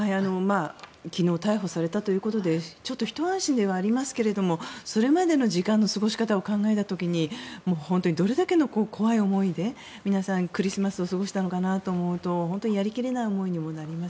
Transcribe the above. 昨日逮捕されたということでちょっとひと安心ではありますがそれまでの時間の過ごし方を考えた時にもう本当にどれだけの怖い思いで皆さん、クリスマスを過ごしたのかと思うと本当にやり切れない思いにもなります。